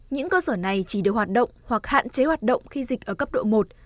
những cơ sở này chỉ được hoạt động hoặc hạn chế hoạt động khi dịch ở cấp độ một